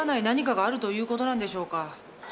何かがあるということなんでしょうか。